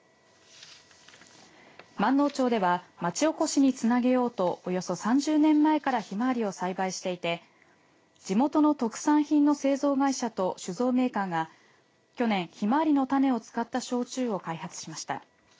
まんのう町ではまちおこしにつなげようとおよそ３０年前からひまわりを栽培していて地元の特産品の製造会社と酒造メーカーが去年、ひまわりの種を使った焼酎を開発しました。